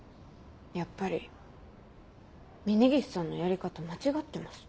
やっぱり峰岸さんのやり方間違ってます。